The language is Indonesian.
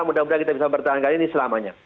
mudah mudahan kita bisa bertahan kali ini selamanya